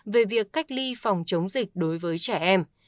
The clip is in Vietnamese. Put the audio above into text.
về việc cách ly phòng chống dịch đối với trẻ em